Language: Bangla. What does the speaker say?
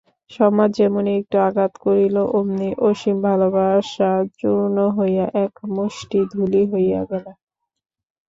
সমাজ যেমনি একটু আঘাত করিল অমনি অসীম ভালোবাসা চূর্ণ হইয়া একমুষ্ঠি ধুলি হইয়া গেল।